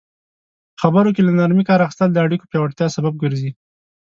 په خبرو کې له نرمي کار اخیستل د اړیکو پیاوړتیا سبب ګرځي.